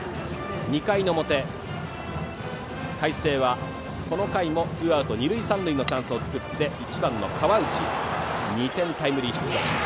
２回の表、海星はこの回もツーアウト二塁三塁のチャンスで１番、河内の２点タイムリーヒット。